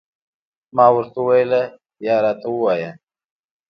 ما ورته وویل، یا راته ووایه.